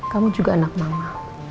kamu juga anak mama